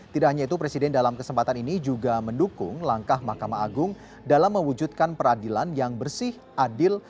tidak hanya itu presiden dalam kesempatan ini juga mendukung langkah mahkamah agung dalam mewujudkan peradilan yang bersih adil